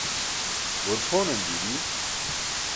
goor pʰonan dii bi.